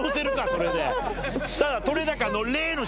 それで！